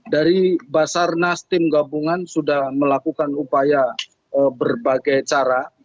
dari basarnas tim gabungan sudah melakukan upaya berbagai cara